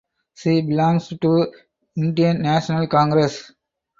She belongs to Indian National Congress.